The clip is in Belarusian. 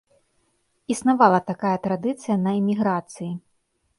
Існавала такая традыцыя на эміграцыі.